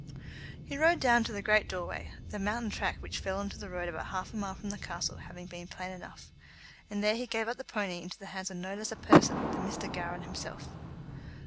He rode down to the great doorway, the mountain track which fell on to the road about half a mile from the castle having been plain enough, and there he gave up the pony into the hands of no less a man than Mr. Gowran himself.